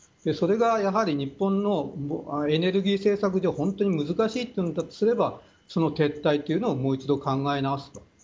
それが、やはり日本のエネルギー政策上本当に難しいというのであればその撤退をもう一度考え直す。